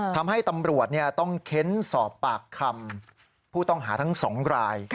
ทำให้ตำรวจต้องเค้นสอบปากคำผู้ต้องหาทั้ง๒ราย